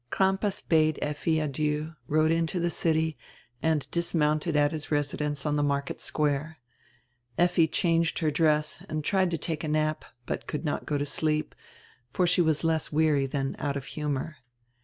Crampas bade Effi adieu, rode into the city, and dismounted at his residence on the market square. Effi changed her dress and tried to take a nap, but could not go to sleep, for she was less weary than out of humor.